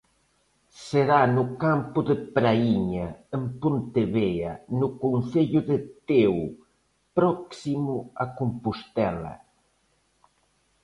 Será no campo de Praíña, en Pontevea, no concello de Teo, próximo a Compostela.